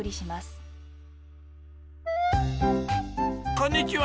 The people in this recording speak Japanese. こんにちは。